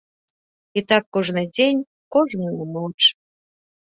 І так кожны дзень, кожную ноч.